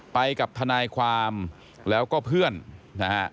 ไปกับทนายความแล้วก็เพื่อนนะฮะ